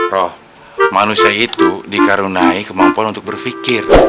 roh manusia itu dikarunai kemampuan untuk berpikir